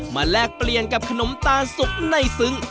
แลกเปลี่ยนกับขนมตาลสุกในซึ้ง